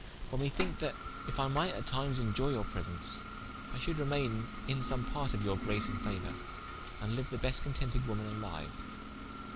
For me thinke that if I might at times inioye your presence, I should remaine in some part of your grace and fauour, and liue the best contented woman a liue."